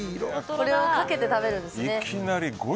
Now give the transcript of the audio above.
これをかけて食べるんですね。